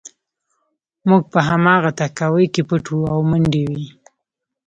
موږ په هماغه تهکوي کې پټ وو او منډې وې